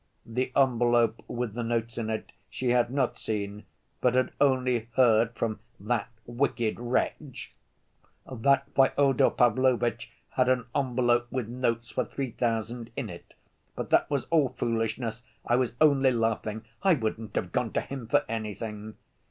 The envelope with the notes in it she had not seen, but had only heard from "that wicked wretch" that Fyodor Pavlovitch had an envelope with notes for three thousand in it. "But that was all foolishness. I was only laughing. I wouldn't have gone to him for anything."